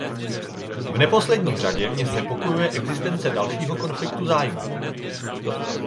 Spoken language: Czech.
V neposlední řadě mě znepokojuje existence dalšího konfliktu zájmů.